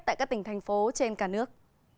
tại các tỉnh thành phố trên cả nước